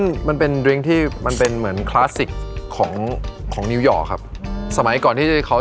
น้ำแคงนี้จะเป็นไหมงานี่แบบว่า